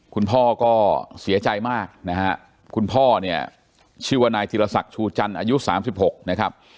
คุณพ่อก็เสียใจมากนะฮะคุณพ่อเนี่ยชื่อว่านายจิลศักดิ์ชูจันต์อายุสามสิบหกนะครับ